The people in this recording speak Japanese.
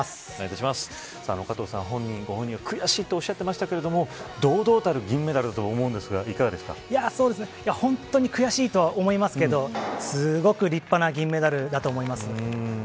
加藤さん、ご本人は悔しいとおっしゃっていましたが堂々たる銀メダル本当に悔しいとは思いますけどすごく立派な銀メダルだと思います。